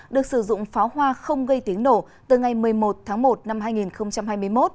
được sử dụng pháo hoa không gây tiếng nổ từ ngày một mươi một tháng một năm hai nghìn hai mươi một